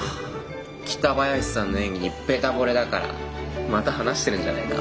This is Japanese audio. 北林さんの演技にベタぼれだからまた話してるんじゃないか。